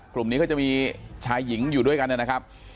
กลุ่มนี้ก็จะมีชายหญิงอยู่ด้วยกันนะครับ